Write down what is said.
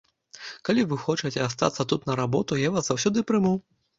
Калі вы захочаце астацца тут на работу, я вас заўсёды прыму.